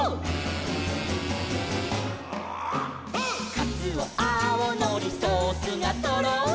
「かつおあおのりソースがとろり」